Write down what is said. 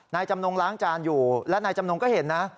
จำนงล้างจานอยู่และนายจำนงก็เห็นนะ